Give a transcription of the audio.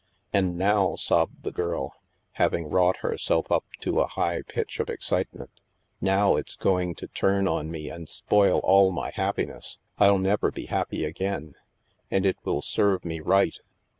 " And now," sobbed the girl, having wrought her self up to a high pitch of excitement, " now it's go ing to turn on me and spoil all my happiness. Til never be happy again. And it will serve me right."